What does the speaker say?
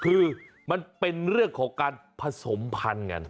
คือมันเป็นเรื่องของการผสมพันธุ์กัน